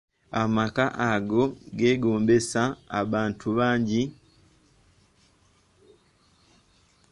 Amaka ago geegombesa abantu bangi.